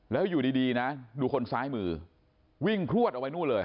แล้วอยู่ดีนะดูคนซ้ายมือวิ่งพลวดเอาไว้นู่นเลย